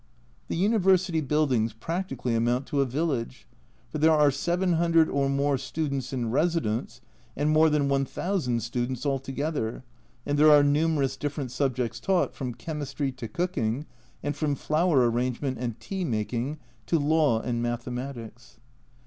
The University buildings practically amount to a village, for there are 700 or more students in residence, and more than 1000 students altogether, and there are numerous different subjects taught, from chemistry to cooking, and from flower arrange ment and tea making to law and mathematics.